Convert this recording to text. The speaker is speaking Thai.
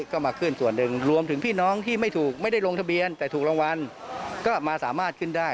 ก็มาขึ้นส่วนหนึ่งรวมถึงพี่น้องที่ไม่ถูกไม่ได้ลงทะเบียนแต่ถูกรางวัลก็มาสามารถขึ้นได้